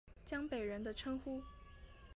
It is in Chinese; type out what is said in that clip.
江北人的称呼。